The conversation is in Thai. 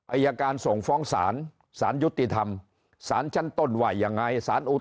อายการส่งฟ้องศาลศาลยุติธรรมศาลชนะต้นว่ายังไง